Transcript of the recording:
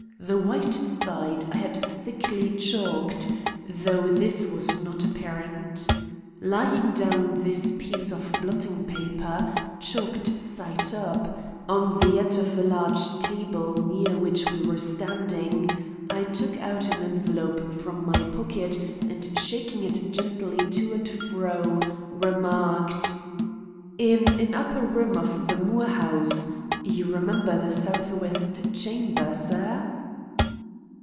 The white side I had thickly chalked, though this was not apparent. Laying down this piece of blotting paper, chalked side up, on the end of a large table near which we were standing, I took out an envelope from my pocket, and, shaking it gently to and fro, remarked: "In an upper room of the Moore house—you remember the southwest chamber, sir?"